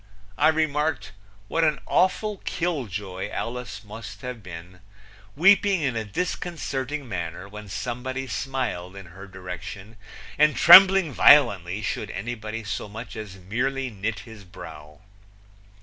I remarked, what an awful kill joy Alice must have been, weeping in a disconcerting manner when somebody smiled in her direction and trembling violently should anybody so much as merely knit his brow!